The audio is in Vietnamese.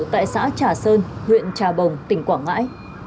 tại xã trà sơn huyện trà bồng tỉnh quảng ngãi